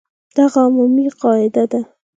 دا عمومي قاعده ده.